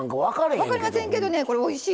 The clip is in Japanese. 分かりませんけどねおいしい。